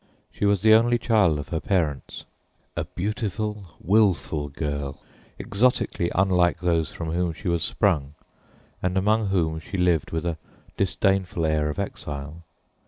She was the only child of her parents, a beautiful, willful girl, exotically unlike those from whom she was sprung and among whom she lived with a disdainful air of exile.